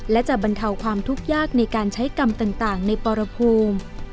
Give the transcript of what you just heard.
และจะบรรเทาความทุกข์ยากในการใช้กรรมต่างในปรภูมิ